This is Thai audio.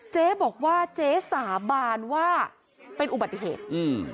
เจ๊บอกว่าเจ๊สาบานว่าเป็นอุบัติเหตุอืม